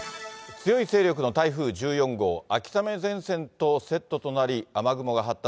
強い勢力の台風１４号、秋雨前線とセットとなり、雨雲が発達。